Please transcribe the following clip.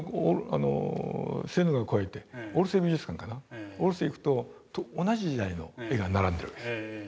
セーヌ川を越えてオルセー美術館かなオルセー行くと同じ時代の絵が並んでるわけです。